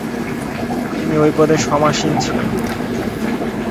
তিনি ঐ পদে সমাসীন ছিলেন।